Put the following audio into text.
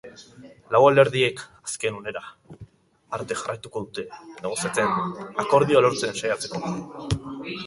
Lau alderdiek azken unera arte jarraituko dute negoziatzen, akordioa lortzen saiatzeko.